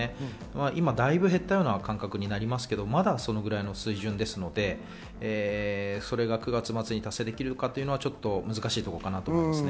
今、だいぶ減ったような感覚になりますけど、まだそれぐらいの水準ですので、それが９月末に達成できるかというのは難しいかなと思います。